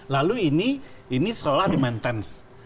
lalu ini seolah olah di maintenance